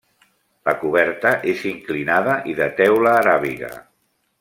La coberta és inclinada i de teula aràbiga.